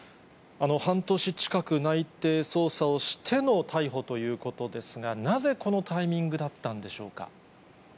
半年近く、内偵捜査をしての逮捕ということですが、なぜこのタイミングだったんでしょうか。